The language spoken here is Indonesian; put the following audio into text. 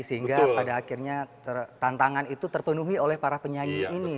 sehingga pada akhirnya tantangan itu terpenuhi oleh para penyanyi ini